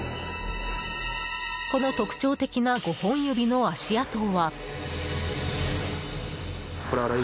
この特徴的な５本指の足跡は。